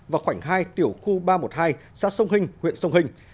và khoảnh hai tiểu khu ba trăm một mươi hai xã sông hinh huyện sông hinh